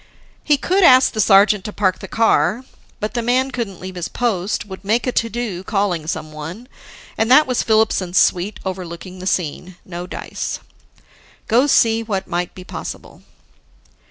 He could ask the sergeant to park the car. But the man couldn't leave his post, would make a to do calling someone and that was Filipson's suite overlooking the scene. No dice. Go see what might be possible.